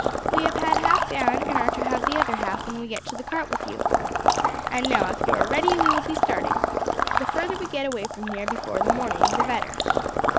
We have had half down, and are to have the other half when we get to the cart with you. And now if you are ready we will be starting. The further we get away from here before morning the better."